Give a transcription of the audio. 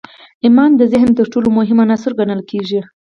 ايمان د ذهن تر ټولو مهم عنصر ګڼل کېږي.